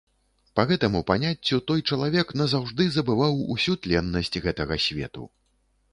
Па гэтаму паняццю, той чалавек назаўжды забываў усю тленнасць гэтага свету.